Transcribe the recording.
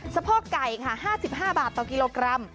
สะพอกไก่๕๕บาทต่อกิโลกรัม